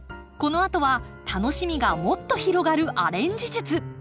このあとは楽しみがもっと広がるアレンジ術。